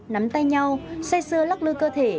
nắm tay nhau xây xưa lắc lư cơ thể